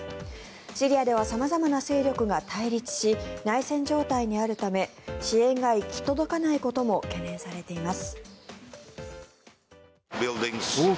シリアでは様々な勢力が対立し内戦状態にあるため支援が行き届かないことも懸念されています。